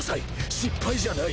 失敗じゃない！